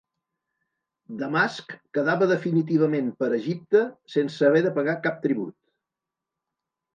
Damasc quedava definitivament per Egipte sense haver de pagar cap tribut.